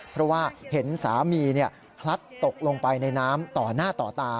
เพราะว่าเห็นสามีพลัดตกลงไปในน้ำต่อหน้าต่อตา